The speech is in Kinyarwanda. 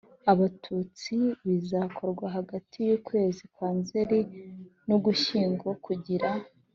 Abatutsi bizakorwa hagati y ukwezi kwa Nzeri n Ugushyingo kugira